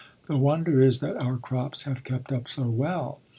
The wonder is that our crops have kept up so well.